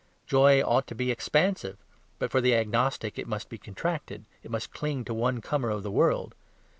Joy ought to be expansive; but for the agnostic it must be contracted, it must cling to one corner of the world.